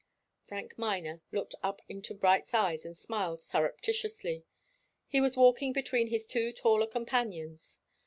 Frank Miner looked up into Bright's eyes and smiled surreptitiously. He was walking between his two taller companions.